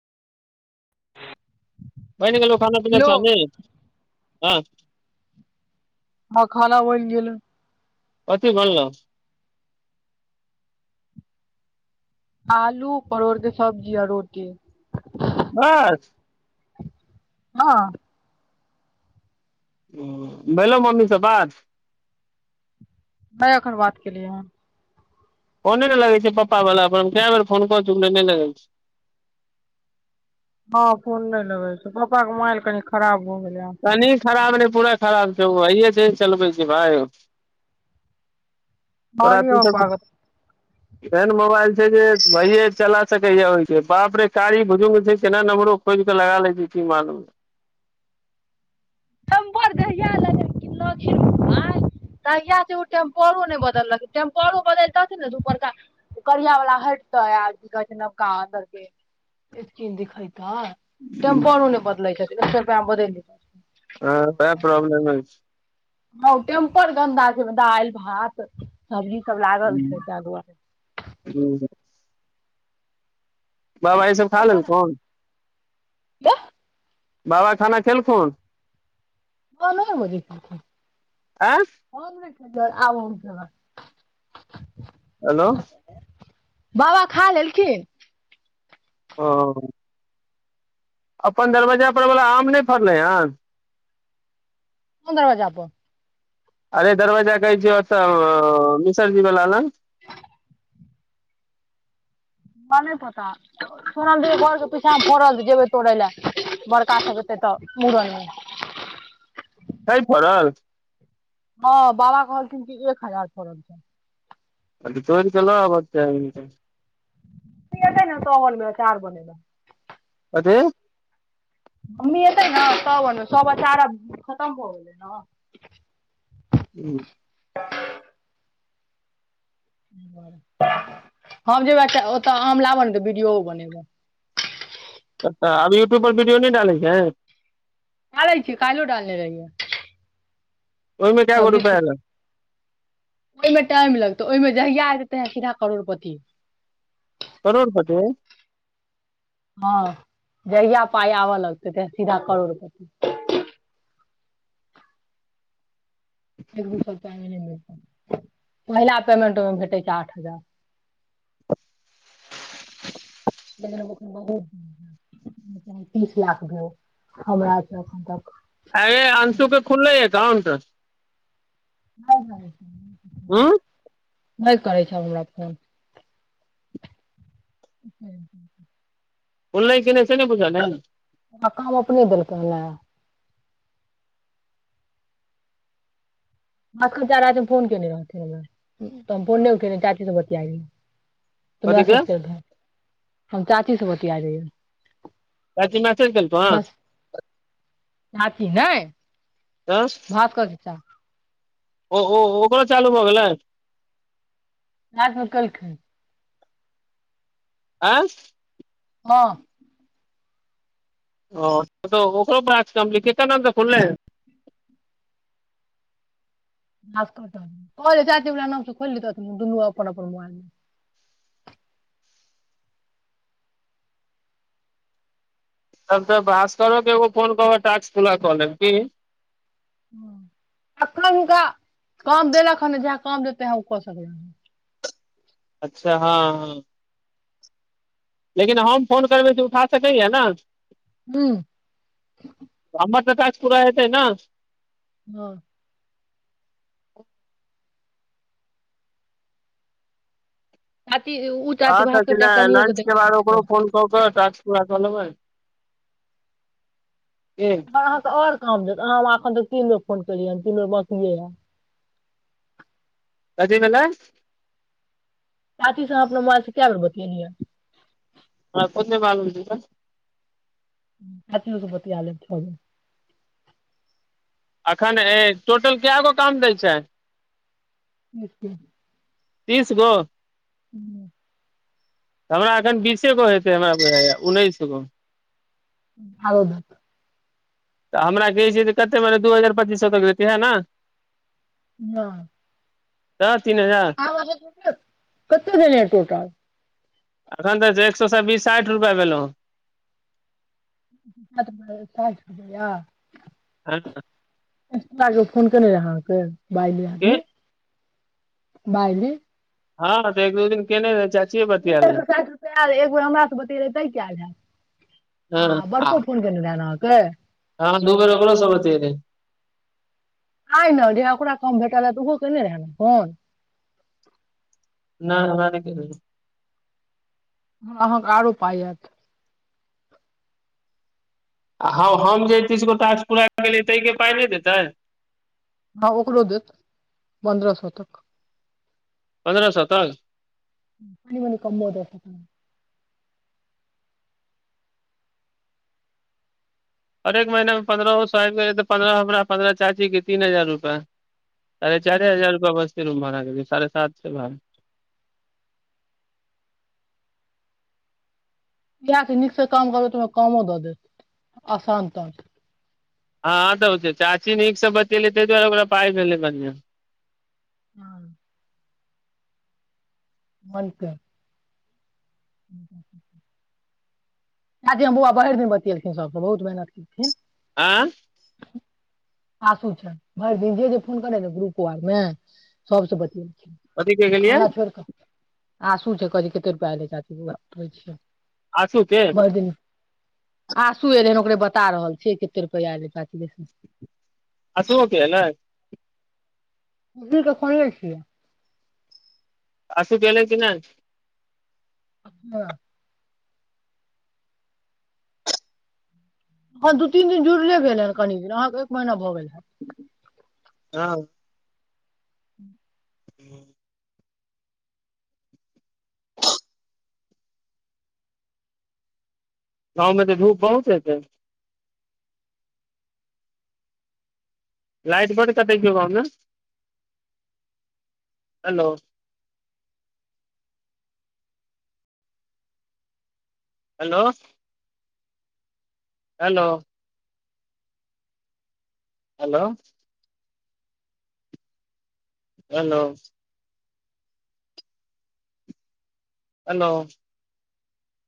बनि गेलो खाना पीना हेलो चाउमिन हँ हँ खाना बनि गेलइ कथी बनलौ आलू परोरके सब्जी आ रोटी बस हँ ओ भेलौ मम्मी सँ बात नहि एखन बात केलियै हन फोने ने लगै छै पप्पा वला पर हम के बेर फोन कऽ चुकलियै नहि लगै छै [inaudible] हँ फोन नहि लगै छै पप्पा के मोबइल कनी खराब भ गेलै हन। कनी खराब नहि पूरा खराब छीयै ओ आइये से न चलबै छै भाय तोरा की कहलियै सब पापा एहन मोबाइल छै जे भैये चला सकैय ओइके बाप रे कारी बुजुर्ग छै केना नम्बरो खोजि कऽ लगा लै छै की मालूम [inaudible] [unintelligible] तहिया से ओ टेम्परो नहि बदलखिन टेम्परो बदलि तथिन नऽ जे उपरका करिया वला हैटते आ की कहै छै नवका अन्दरके स्किन दिखैतै तऽ टेम्परो नहि बदललकैए एक सौ रुपैयामे बदलि दितै हँ तैं प्रॉब्लम अछि हउ टेम्पर गन्दा छै न दालि भात सब्जी सब लागल छै तैं दुआरे बाबा ई सब खा लेलथुन तऽ [inaudible] बाबा खाना खेलखुन हँ नये बजे खेलखिन आँय हम ने आब हम खेबैय हेलो बाबा खा लेलखिन ओ अपन दरवज्जा परवला आम नहि फड़लै हन पन्द्रह हजार पे [unintelligible] अरे दरवाजा कहै छिये ओतऽ मिसरजी बला लग हमरा नइ पता सुनलियै घर के पीछामे फड़ल छै जेबै तोड़ैय ले बड़का सब एतै तऽ मूरन मे छै फड़ल हँ बाबा कहलखिन कि एक हजार फड़ल छै। ओइके तोरि कऽ लऽ आबक चाही ने तऽ ने सो बनब तोहर बेकार बनैला कथी मम्मी एतै न तब अनबै सब अचार आब खतम भऽ गेलै न हूँ बरसा हम जेबै आचा ओतऽ आम लाबऽ न तऽ बीडियोओ बनेबै त तऽ आब यूट्यूब पर वीडियो नहि डालै छें डालै छिये काइलो डालने रहियै ओहिमे के गो सब्जी रुपैया अलो ओहिमे टाइम लगतै ओहिमे जहिया एततै सीधा करोड़पति करोड़पति हँ जहिया पाइ आबऽ लगतै तै सीधा करोड़ पति एक दू स रुपैया एहमे नइ अतौ पहिला पेमेंट ओहिमे भेटै छै आठ हजार [inaudible] [unintelligible] बहुत तीस लाख ग हमर स अखन तक अरे अंशु के खुलले एकाउंट [unintelligible] हू नहि करै छै आब हमरा फोन [unintelligible] खुललै की नइ से नहि बुझल अछि आ काम अपने देलके माँ अखनका राति मे फोन केने रहथिे हम फोन नहि उठे चाची स बतियैत रहियै त कथी के मैसेज कैर द ह हम चाची स बोतीयै रहियै चाची मसेज केलकौ ह कि नय भास्कर चाचा ओ ओ ओकरो चालू भऽ गेलै रायत मे केलखिन आँ हां ओऽ ओकरो पास कम्पली केकर नाम से खुलले [inaudible] कहलिए चाची ओकरा नामसँ खोयल लेहथतिन त दुनू अपन अपन मोबाईल मे [inaudible] तब तऽ भास्करोके एगो फोन कऽ कऽ टास्क पुरा कऽ लेब की ह अखनो हुनका काम देलकख हन ने जह काम देते हैं ओ कऽ सकय हं अच्छा हँ हँ लेकिन हम फोन करबै से उठा सकैऐ न हु हमर तऽ टास्क पूरा हतै ना हँ [inaudible] चाची उ चाची अहां सब भास्कर टा लै कनियो लंच के देखियौ बाद पूछि ओकरो फोन कऽ क टास्क पुरा क लेबय आहाँ त और आब आहा हम एखन तक तीन बेर फोन केलियै तीन बेर बाकियै या कथि भेलय साथी से अपना मोबाइल से क्य बेर बतियए है हँ कोनं चि मालुम छिकै चाचीयो स बतिया लेत छोरू अखन ए टोटल कए गो काम दए छै तिस के तीस गो ह हमरा अखन बीसे गो हेतै हमरा बुझया उन्नैस गो आरो दहक तऽ हमरा कहै छै तऽ कते बड़ दू हजार पच्चीस सए तक देतै इएह न नाय तऽ तीन हजार आब आ कते भेलय ए टोटल एखन तऽ छै एक सएसँ बीस साठि रुपैआ भेलहुँ ताजपुर जाय अ हँ फोन केने रह अहाँ के बाइली आदमी बाइली हँ तऽ एक दो दिन केने चा ऊ त एक सौ साईठ रुपैआ एक बेर हमरा सँ बतीऐलिये तय कै एयल रहे हैत हँ आ बड़ को फोन केने रहा न हँ दू बेर ओकरो से बतिएलिय आय ने र ओकरा काम भेटलै तऽ ओहो केने रहै ने कोन न हमरा नय केने रहै अहाँ के आरो पाइ आयत आ हँ हम जे तीस गोटा से ताजपूर आयिब गेलै ताहिके पाइ नय देतै हँ ओकरो देत पन्द्रह सए तक पन्द्रह सए तक कनि मनी कमबो दैत हर एक महीनामे पन्द्रहहो सए आबि गेलै तऽ पन्द्रहहो हमरा पन्द्रह चाचीके तीन हजार रुपैआ अरे चार हूँ हजार रुपआ बस रूम भाड़ा साढ़े सात से भर इहे छै नीकसँ काम करबै तऽमे कमो दऽ देत आसान त हँ तऽ छै चाची नीकसँ बतेलै ते दुआरे ओकरा पाइ भेलै बढ़िआँ हँ मलके [inaudible] दादी हम बौआ भरि दिन बतियेलखिन सभसँ बहुत मेहनत केलखिन आँ आसू छ भर दिन जे फोन करे ने गुरुपवारमे सबस बत कथी क गेलियै आशु छै कही कते रुपआ लै चची बै छियै आसू खयली आ सुू एत [unintelligible] ओकरे बता रहल छियै कते रुपैआ एलै पचस अशुओ के ऐलै उसी के खोलने छिऐ आंसु के एले की नहि हँ हँ दू तीन दिन जुड़ले भेल हेन कनि दिन अहाँके एक महीना भऽ गेल हँ हँ [inaudible] [inaudible] गाँवमे तऽ धूप बहुत हेतै लाइट बड कटै छौ गाँव में hello hello hello hello hello hello